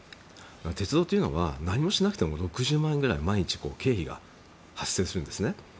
鉄道というのは何もしなくても６０万円くらい毎日経費が発生するんですね。